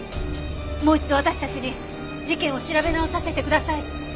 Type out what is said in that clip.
もう一度私たちに事件を調べ直させてください。